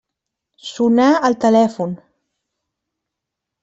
Sonà el telèfon.